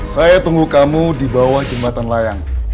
saya tunggu kamu di bawah jembatan layang